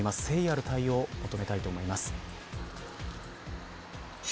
誠意ある対応を求めたいと思います。